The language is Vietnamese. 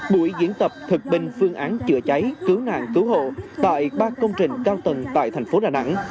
buổi diễn tập thực bình phương án chữa cháy cứu nạn cứu hộ tại ba công trình cao tầng tại thành phố đà nẵng